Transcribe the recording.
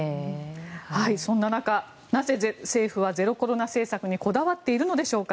そんな中、なぜ政府はゼロコロナ政策にこだわっているのでしょうか。